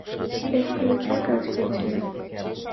Escalator কাজ করছে না।